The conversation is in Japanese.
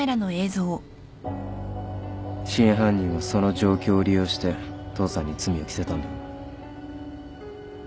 真犯人はその状況を利用して父さんに罪を着せたんだろ。